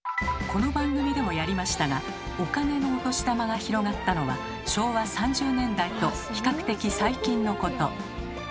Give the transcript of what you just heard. この番組でもやりましたがお金のお年玉が広がったのは昭和３０年代と比較的最近のこと。